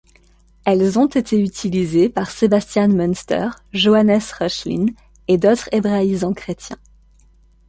Elles ont été utilisées par Sebastian Münster, Johannes Reuchlin, et d'autres hébraïsants chrétiens.